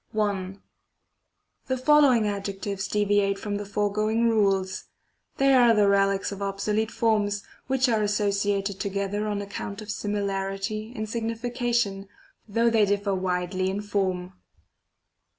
1, The following adjectives deviate from the fore going rules ; they are the relics of obsolete forms, which are associated together on account of similarity in sig nification, though they differ widely in form.